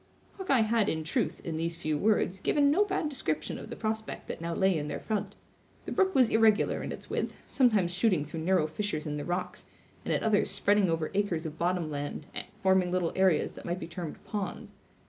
Hawkeye had, in truth, in these few words, given no bad description of the prospect that now lay in their front. The brook was irregular in its width, sometimes shooting through narrow fissures in the rocks, and at others spreading over acres of bottom land, forming little areas that might be termed ponds.